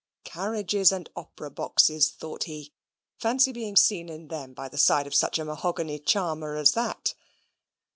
Carriages and opera boxes, thought he; fancy being seen in them by the side of such a mahogany charmer as that!